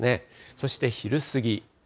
そして昼過ぎ。